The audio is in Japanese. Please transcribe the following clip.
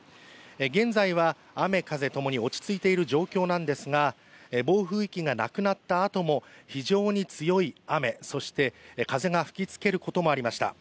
現在は雨・風ともに落ち着いている状況なんですが暴風域がなくなったあとも、非常に強い雨そして風が吹きつけることがありました。